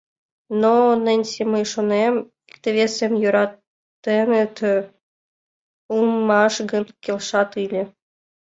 — Но, Ненси, мый шонем, икте-весым йӧратеныт улмаш гын, келшат ыле.